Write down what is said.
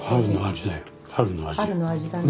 春の味だよ